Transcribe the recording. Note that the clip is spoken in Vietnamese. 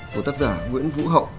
của tác giả nguyễn vũ hậu